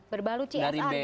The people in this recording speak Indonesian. berbalu csr gitu ya